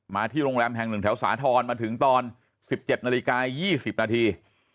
ที่โรงแรมแห่งหนึ่งแถวสาธรณ์มาถึงตอน๑๗นาฬิกา๒๐นาที